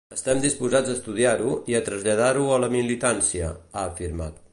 Estem disposats a estudiar-ho i a traslladar-ho a la militància, ha afirmat.